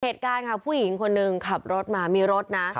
เหตุการณ์ค่ะผู้หญิงคนหนึ่งขับรถมามีรถนะ